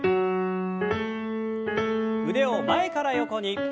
腕を前から横に。